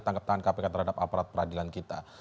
tangkap tangan kpk terhadap aparat peradilan kita